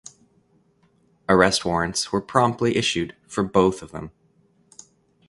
Arrest warrants were promptly issued for both of them.